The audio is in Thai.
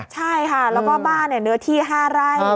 ใช่ค่ะแล้วก็บ้านเนื้อที่๕ไร่